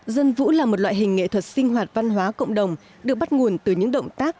dân vũ là một loại hình nghệ thuật sinh hoạt văn hóa cộng đồng được bắt nguồn từ những động tác